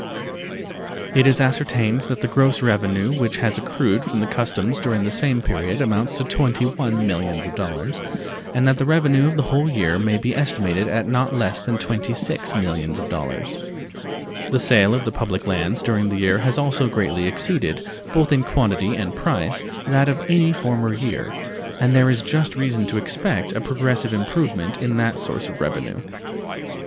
It is ascertained that the gross revenue which has accrued from the customs during the same period amounts to $21 millions, and that the revenue of the whole year may be estimated at not less than $26 millions. The sale of the public lands during the year has also greatly exceeded, both in quantity and price, that of any former year, and there is just reason to expect a progressive improvement in that source of revenue.